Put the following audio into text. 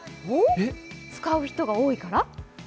使う人が多いから？